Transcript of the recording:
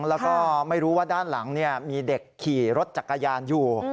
แล้วก็ไม่รู้ว่าด้านหลังมีเด็กขี่รถจักรยานอยู่